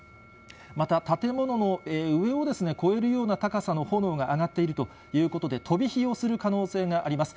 また、建物の上を超えるような高さの炎が上がっているということで、飛び火をする可能性があります。